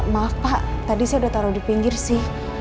maaf pak tadi saya udah taruh di pinggir sih